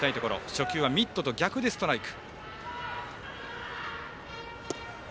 初球はミットと逆でストライク。